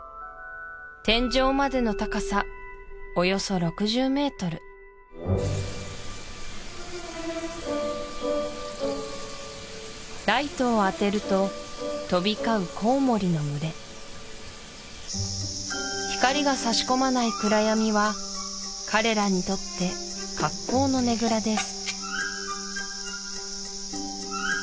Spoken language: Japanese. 天井までの高さおよそ６０ｍライトを当てると飛び交うコウモリの群れ光が差し込まない暗闇は彼らにとって格好のねぐらです